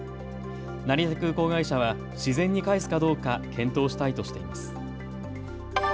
成田空港会社は自然に帰すかどうか検討したいとしています。